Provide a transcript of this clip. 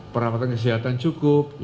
perawatan kesehatan cukup